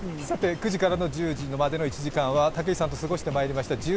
９時から１０時までの１時間はたけしさんと過ごしてまいりました